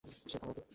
সে কানা নাকি?